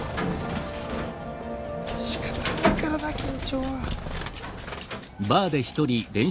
まあしかたないからな緊張は。